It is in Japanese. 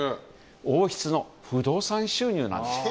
王室の不動産収入なんです。